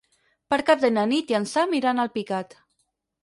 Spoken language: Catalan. Per Cap d'Any na Nit i en Sam iran a Alpicat.